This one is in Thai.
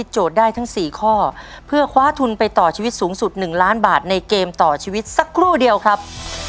ได้ทั้ง๔ข้อเพื่อคว้าทุนไปต่อชีวิตสูงสุด๑ล้านบาทในเกมต่อชีวิตสักครู่เดียวครับ